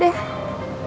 tapi ya gitu deh